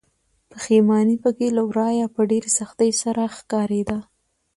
پښيماني پکې له ورايه په ډېرې سختۍ سره ښکاريده.